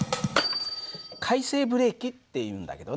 回生ブレーキっていうんだけどね